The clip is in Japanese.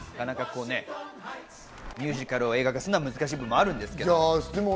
ミュージカルを映画化するのは難しい部分もあるんですけれど。